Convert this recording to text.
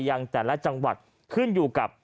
ยังแต่ละจังหวัดขึ้นอยู่กับ